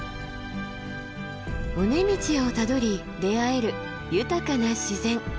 尾根道をたどり出会える豊かな自然。